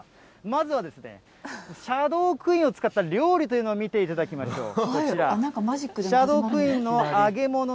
まずはですね、シャドークイーンを使った料理というのを見ていただきましょう。